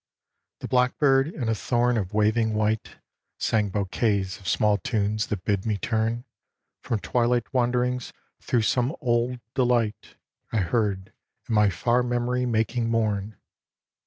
The blackbird in a thorn of waving white Sang bouquets of small tunes that bid me turn From twilight wanderings thro' some old de light I heard in my far memory making mourn.